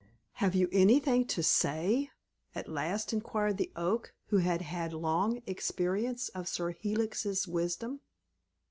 "Have you anything to say?" at last inquired the Oak, who had had long experience of Sir Helix's wisdom.